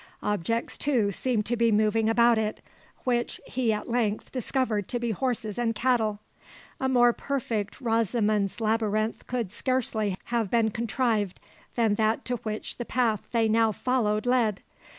Objects, too, seemed to be moving about it, which he at length discovered to be horses and cattle. A more perfect Rosamond's labyrinth could scarcely have been contrived than that to which the path they now followed led.